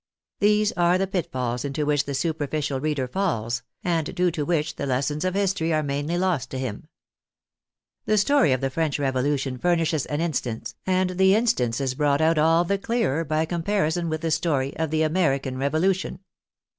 These are the pitfalls into which the superficial reader falls, and due to which the lessons of history are mainly lost to him. The story of the French Revolution furnishes an instance, and the ix X PREFACE TO THE AMERICAN EDITION instance is brought out all the clearer by comparison with the story of the American Revolution.